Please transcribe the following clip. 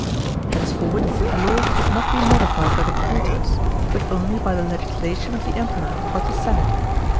Henceforward law could not be modified by the prsetors, but only by the legislation of the Emperor or the senate.